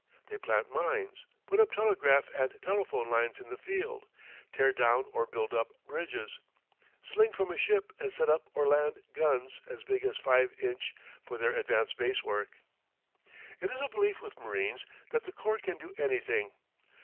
They plant mines, put up telegraph and telephone lines in the field, tear down or build up bridges, sling from a ship and set up or land guns as big as 5 inch for their advance base work. It is a belief with marines that the corps can do anything.